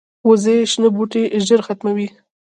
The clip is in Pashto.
وزې شنه بوټي ژر ختموي